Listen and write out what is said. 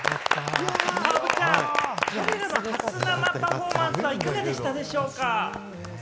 アヴちゃん、彼らの初生パフォーマンスはいかがでしたでしょうか？